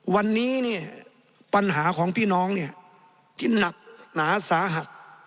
วันนี้เนี่ยปัญหาของพี่น้องเนี่ยที่หนักหนาสาหัส